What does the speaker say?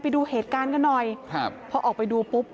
ไปดูเหตุการณ์กันหน่อยครับพอออกไปดูปุ๊บ